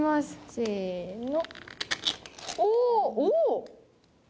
せの！